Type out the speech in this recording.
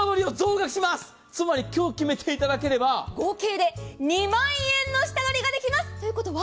つまり今日決めていただければ合計で２万円の下取りができます。